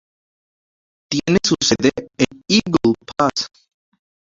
Tiene su sede en Eagle Pass.